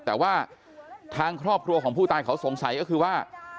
แต่ว่าทางครอบครัวของผู้ตายเขาสงสัยก็คือว่า